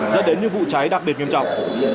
rất đến những vụ cháy đặc biệt nghiêm trọng